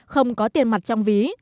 không có tiền mặt trong ví